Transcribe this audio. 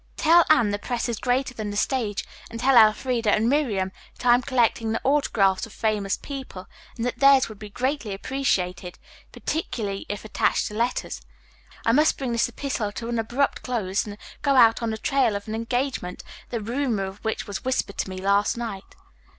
Tell Anne the Press is greater than the Stage, and tell Elfreda and Miriam that I am collecting the autographs of famous people and that theirs would be greatly appreciated, particularly if attached to letters. I must bring this epistle to an abrupt close, and go out on the trail of an engagement, the rumor of which was whispered to me last night.